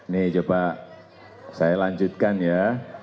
nih coba saya lanjutkan ya